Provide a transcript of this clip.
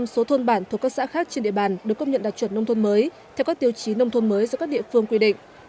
một trăm linh số thôn bản thuộc các xã khác trên địa bàn được công nhận đạt chuẩn nông thôn mới theo các tiêu chí nông thôn mới do các địa phương quy định